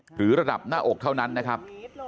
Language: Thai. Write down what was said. หรือระดับหน้าอกเท่านั้นนะครับ